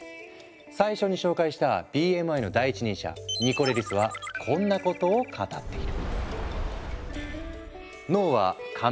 最初に紹介したＢＭＩの第一人者ニコレリスはこんなことを語っている。